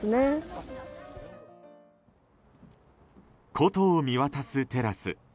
古都を見渡すテラス。